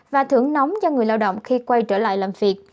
và thưởng nóng cho người lao động khi quay trở lại làm việc